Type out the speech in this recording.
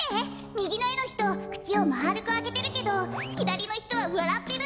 みぎのえのひとくちをまるくあけてるけどひだりのひとはわらってる。